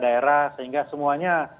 daerah sehingga semuanya